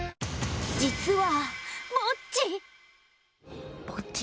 実はぼっち。